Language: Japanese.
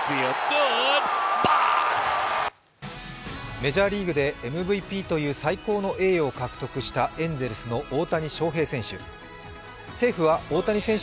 メジャーリーグでＭＶＰという最高の栄誉を獲得したエンゼルスの大谷翔平選手。